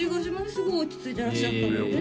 すごい落ち着いてらっしゃったのでね